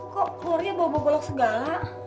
kok keluar ya bawa bawa bawa segala